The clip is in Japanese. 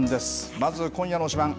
まず、今夜の推しバン！